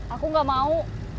aku gak mau